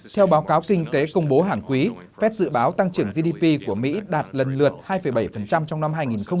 theo báo cáo kinh tế công bố hàng quý fed dự báo tăng trưởng gdp của mỹ đạt lần lượt hai bảy trong năm hai nghìn hai mươi